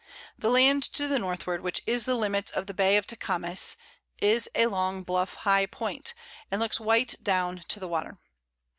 _] The Land to the Northward, which is the Limits of the Bay of Tecames, is a long bluff high Point, and looks white down to the Water.